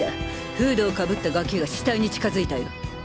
フードを被ったガキが死体に近づいたよ。